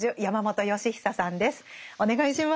お願いします。